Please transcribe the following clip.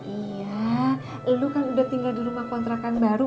iya lu kan udah tinggal di rumah kontrakan baru